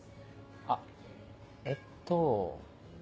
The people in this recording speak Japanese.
あえっと。